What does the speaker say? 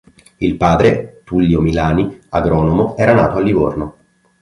Il padre, Tullio Milani, agronomo, era nato a Livorno.